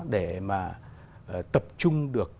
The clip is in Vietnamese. để mà tập trung được